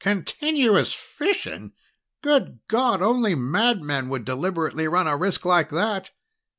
"Continuous fission? Good God, only madmen would deliberately run a risk like that!"